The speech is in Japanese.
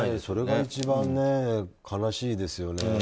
それが一番、悲しいですよね。